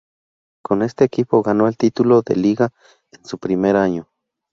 Con este equipo ganó el título de Liga en su primer año.